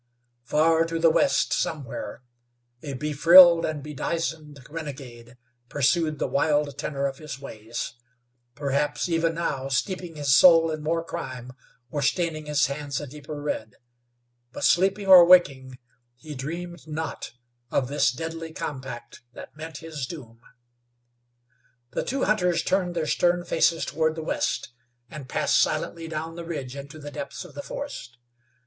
Far to the west somewhere, a befrilled and bedizened renegade pursued the wild tenor of his ways; perhaps, even now steeping his soul in more crime, or staining his hands a deeper red, but sleeping or waking, he dreamed not of this deadly compact that meant his doom. The two hunters turned their stern faces toward the west, and passed silently down the ridge into the depths of the forest.